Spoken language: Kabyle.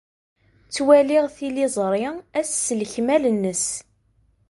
Ttwaliɣ tiliẓri ass s lekmal-nnes.